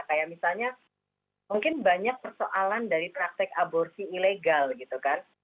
kayak misalnya mungkin banyak persoalan dari praktek aborsi ilegal gitu kan